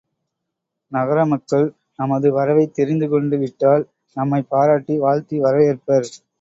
நகர மக்கள் நமது வரவைத் தெரிந்துகொண்டு விட்டால் நம்மைப் பாராட்டி வாழ்த்தி வரவேற்பர்.